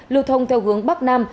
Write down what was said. lưu thông theo hướng bắc nam